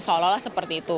seolah olah seperti itu